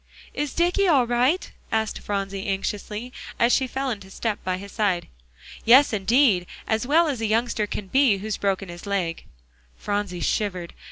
"Is Dicky all right?" asked Phronsie anxiously, as she fell into step by his side. "Yes, indeed; as well as a youngster can be, who's broken his leg." Phronsie shivered.